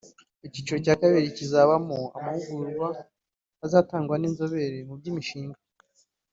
Icyiciro cya kabiri kizabamo amahugurwa azatangwa n’inzobere mu by’imishinga